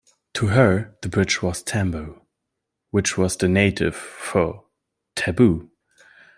To her the bridge was tambo, which is the native for taboo.